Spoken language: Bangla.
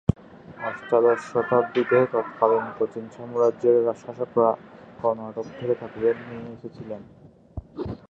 অষ্টাদশ শতাব্দীতে তৎকালীন কোচিন সাম্রাজ্যের শাসকরা কর্ণাটক থেকে তাঁতিদের নিয়ে এসেছিলেন।